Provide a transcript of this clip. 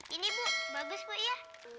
ini bu bagus bu ya